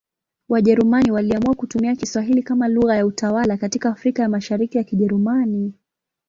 Wajerumani waliamua kutumia Kiswahili kama lugha ya utawala katika Afrika ya Mashariki ya Kijerumani.